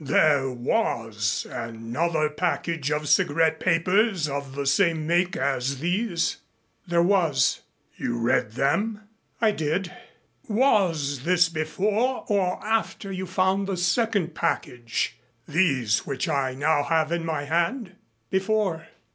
"There was another package of cigarette papers of the same make as these?" "There was." "You read them?" "I did." "Was this before or after you found the second package these which I now have in my hand?" "Before."